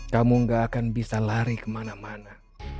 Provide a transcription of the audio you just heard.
kamu gak akan bisa lari kemana mana